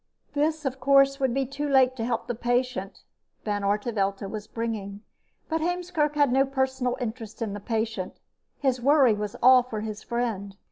This, of course, would be too late to help the patient Van Artevelde was bringing, but Heemskerk had no personal interest in the patient. His worry was all for his friend.